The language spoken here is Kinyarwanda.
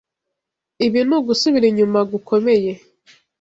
Ibi ni ugusubira inyuma gukomeye.